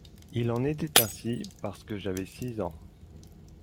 Il en était ainsi parce que j'avais six ans.